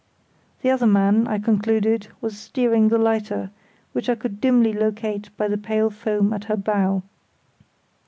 The other man, I concluded, was steering the lighter, which I could dimly locate by the pale foam at her bow.